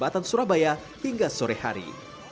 dari kawasan surabaya hingga sore hari